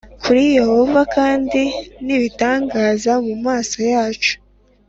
Kuri yehova kandi ni ibitangaza mu maso yacu